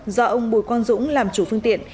do ông bùi quang dũng làm chủ phương tiện